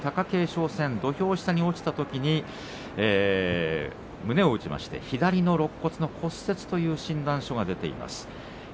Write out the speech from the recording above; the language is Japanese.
勝戦土俵下に落ちたときに胸を打ちまして左のろっ骨の骨折という診断書が出ています。